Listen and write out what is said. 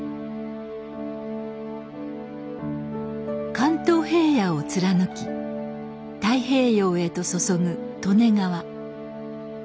関東平野を貫き太平洋へと注ぐ利根川。